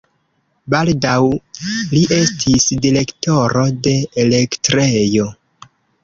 Baldaŭ li estis direktoro de elektrejo.